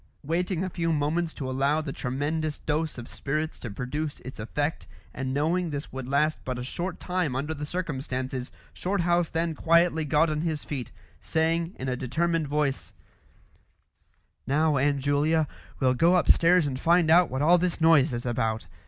Waiting a few moments to allow the tremendous dose of spirits to produce its effect, and knowing this would last but a short time under the circumstances, Shorthouse then quietly got on his feet, saying in a determined voice "Now, Aunt Julia, we'll go upstairs and find out what all this noise is about.